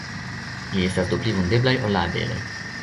Ili estas do pli vundeblaj ol la abeloj.